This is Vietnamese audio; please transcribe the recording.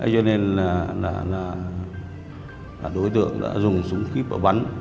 cho nên là đối tượng đã dùng súng kíp và bắn